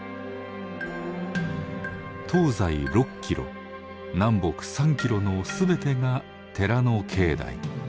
東西６キロ南北３キロの全てが寺の境内。